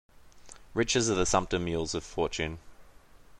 Riches are the sumpter mules of fortune.